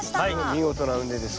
見事な畝です